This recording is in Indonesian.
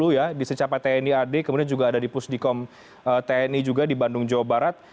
satu dua ratus delapan puluh ya di secapa tni ad kemudian juga ada di pusdikom tni juga di bandung jawa barat